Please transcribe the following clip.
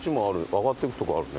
上がってくとこあるね。